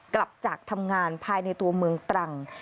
กลับจากทำงานภายในตัวเมืองตรัง